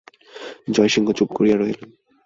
জয়সিংহ চুপ করিয়া রহিলেন।